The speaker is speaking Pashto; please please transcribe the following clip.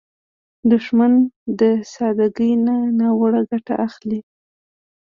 دښمن د سادګۍ نه ناوړه ګټه اخلي